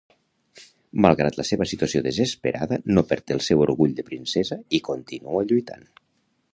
Malgrat la seva situació desesperada, no perd el seu orgull de princesa i contínua lluitant.